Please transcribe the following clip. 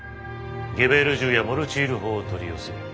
ゲベール銃やモルチール砲を取り寄せ。